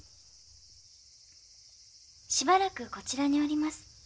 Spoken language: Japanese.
しばらくこちらにおります。